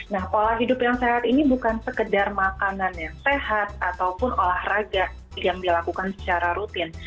nah pola hidup yang sehat ini bukan sekedar makanan yang sehat ataupun olahraga yang dilakukan secara rutin